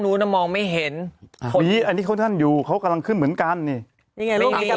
หยังมาหยุดค่อยอย่างรอแปบหนึ่ง